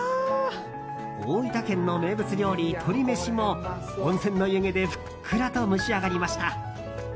大分県の名物料理とりめしも温泉の湯気でふっくらと蒸し上がりました。